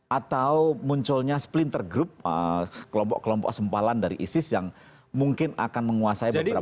atau munculnya splinter group kelompok kelompok sempalan dari isis yang mungkin akan menguasai beberapa